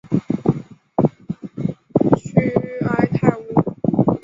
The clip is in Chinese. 屈埃泰乌。